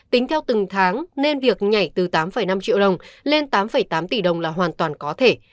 tính theo từng tháng nên việc nhảy từ tám năm triệu đồng lên tám tám tỷ đồng là hoàn toàn có thể